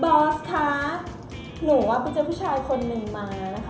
อสคะหนูว่าไปเจอผู้ชายคนนึงมานะคะ